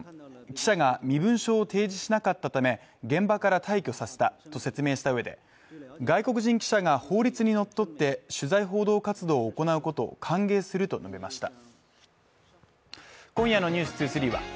記者が身分証を提示しなかったため、現場から退去させたと説明したうえで外国人記者が法律にのっとって取材報道活動を行うことを歓迎すると述べました。